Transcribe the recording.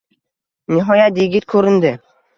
Nihoyat, yigit ko`rindi